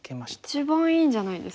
一番いいんじゃないですか。